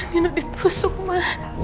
nino ditusuk ma